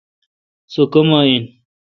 سوکما این۔